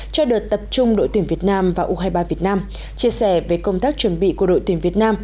cho đợt tập trung đội tuyển việt nam và u hai mươi ba việt nam chia sẻ về công tác chuẩn bị của đội tuyển việt nam